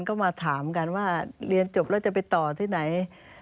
ก็มาถามกันว่าเรียนจบแล้วจะไปต่อที่ไหน